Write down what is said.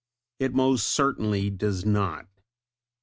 It most certainly does not!